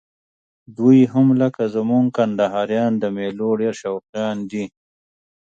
دوی هم لکه زموږ کندهاریان د میلو ډېر شوقیان دي.